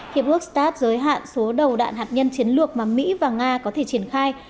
hiệp ước start giới hạn số đầu đạn hạt nhân chiến lược mà mỹ và nga có thể triển khai